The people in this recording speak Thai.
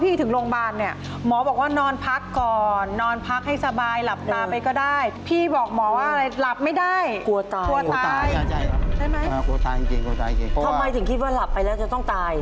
เพราะว่าทำไมถึงคิดถึงหลับไปแล้วจะต้องตาย